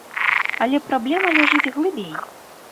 Але праблема ляжыць глыбей.